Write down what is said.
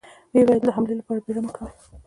ويې ويل: د حملې له پاره بيړه مه کوئ!